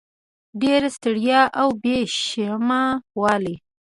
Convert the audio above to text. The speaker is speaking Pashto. ډېره ستړیا او بې شیمه والی